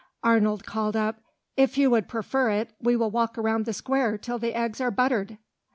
Arnold called up, "If you would prefer it, we will walk round the square till the eggs are buttered."